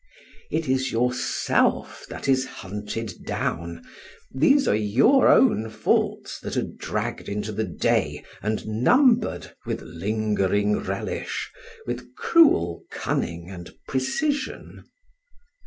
It is yourself that is hunted down; these are your own faults that are dragged into the day and numbered, with lingering relish, with cruel cunning and precision.